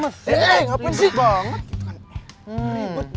apa yang terjadi